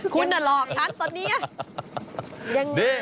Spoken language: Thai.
คุณอ่ะหลอกครับตอนนี้